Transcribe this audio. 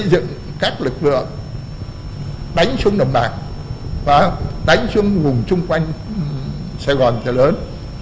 dựng các lực lượng đánh xuống đồng bạc và đánh xuống vùng chung quanh sài gòn chợ lớn